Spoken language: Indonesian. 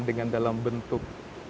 dengan dalam bentuk